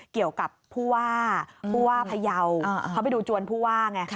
เกี่ยวกับผู้ว่าผู้ว่าพยาวเขาไปดูจวนผู้ว่าไง